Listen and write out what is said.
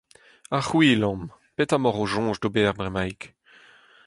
Ha c’hwi, Lom, petra emaoc’h o soñj ober, bremaik ?